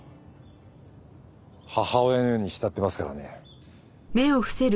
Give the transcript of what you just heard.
母親のように慕ってますからね。